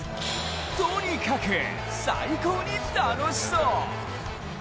とにかく最高に楽しそう。